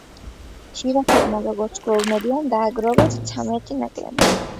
ჟირაფებმა როგორც გვეუბნებიან დააგროვეს ცამეტით ნაკლები.